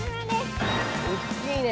おっきいね。